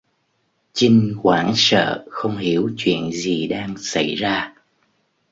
Chinh hoảng sợ không hiểu chuyện gì đang xảy ra